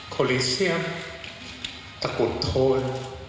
โคลิเซียมตะกุดโทน